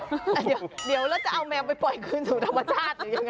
เดี๋ยวเราจะเอาแมวไปปล่อยคืนสู่ธรรมชาติหรือยังไง